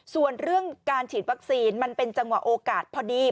ส่วนเรื่องการฉีดวัคซีนมันเป็นจังหวะโอกาสพอดี